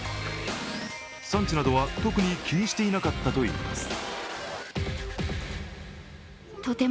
産地などは、特に気にしていなかったといいます。